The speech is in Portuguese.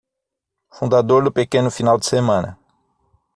Fundador do pequeno final de semana